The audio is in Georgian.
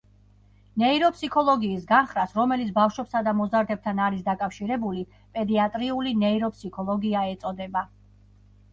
ნეიროფსიქოლოგიის განხრას, რომელიც ბავშვებსა და მოზარდებთან არის დაკავშირებული, პედიატრიული ნეიროფსიქოლოგია ეწოდება.